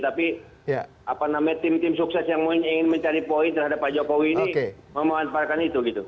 tapi apa namanya tim tim sukses yang ingin mencari poin terhadap pak jokowi ini memanfaatkan itu gitu